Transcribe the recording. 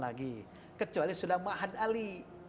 lagi kecuali sudah ma'had ali